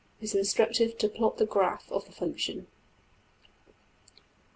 (It is instructive to plot the graph of the function.)